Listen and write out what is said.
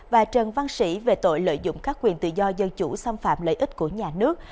và trần văn sĩ về tội lợi dụng các quyền tự do dân chủ xâm phạm lợi ích của nhà nước